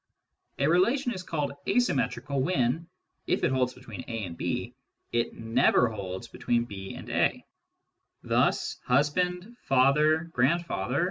A relation is called asymmetrical when, if it between A and B, it never holds between B a Thus husband, father, grandfather, etc.